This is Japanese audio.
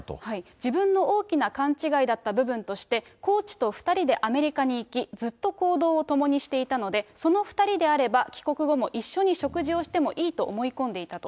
自分の大きな勘違いだった部分として、コーチと２人でアメリカに行き、ずっと行動を共にしていたので、その２人であれば、帰国後も一緒に食事をしてもいいと思い込んでいたと。